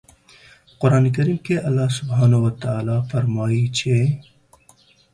په قرآن کریم کې الله سبحانه وتعالی فرمايي چې